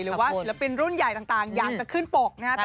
หรือว่าศิลปินรุ่นใหญ่ต่างอยากจะขึ้นปกนะครับ